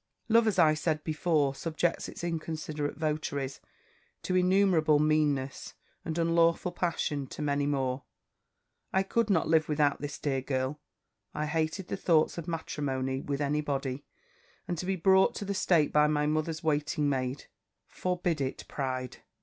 "Love, as I said before, subjects its inconsiderate votaries to innumerable meannesses, and unlawful passion to many more. I could not live without this dear girl. I hated the thoughts of matrimony with any body: and to be brought to the state by my mother's waiting maid. 'Forbid it, pride!'